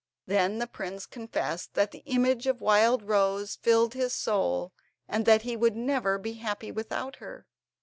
Then the prince confessed that the image of Wildrose filled his soul, and that he would never be happy without her.